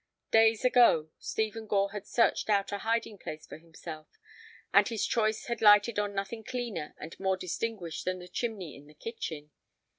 Days ago Stephen Gore had searched out a hiding place for himself, and his choice had lighted on nothing cleaner and more distinguished than the chimney in the kitchen.